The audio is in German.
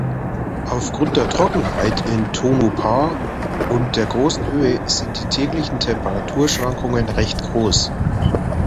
Aufgrund der Trockenheit in Tonopah und der großen Höhe sind die täglichen Temperaturschwankungen recht groß.